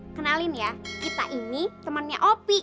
kenalin ya kita ini temannya opi